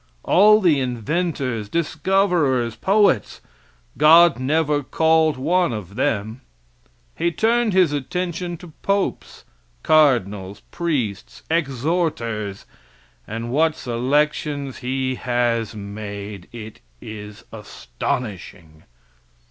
All the inventors, discoverers, poets God never called one of them; he turned his attention to popes, cardinals, priests, exhorters; and what selections he has made! It's astonishing.